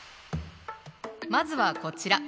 まずはこちら。